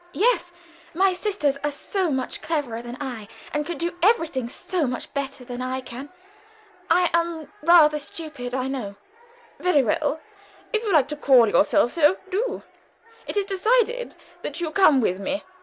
"Yes. My sisters are so much cleverer than I, and can do everything so much better than I can. I am rather stupid, I know." "Very well, if you like to call yourself so, do. It is decided that you come with me.